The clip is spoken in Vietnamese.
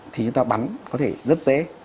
thì chúng ta bắn có thể rất dễ